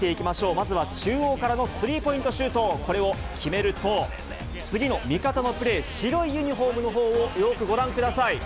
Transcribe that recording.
まずは中央からのスリーポイントシュート、これを決めると、次の味方のプレー、白いユニホームのほうをよくご覧ください。